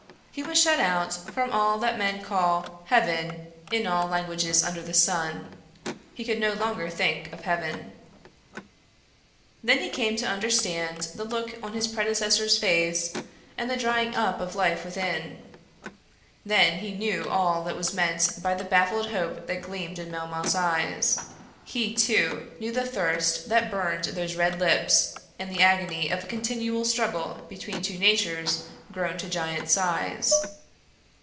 He was shut out from all that men call "heaven" in all languages under the sun; he could no longer think of heaven. Then he came to understand the look on his predecessor's face and the drying up of the life within; then he knew all that was meant by the baffled hope that gleamed in Melmoth's eyes; he, too, knew the thirst that burned those red lips, and the agony of a continual struggle between two natures grown to giant size.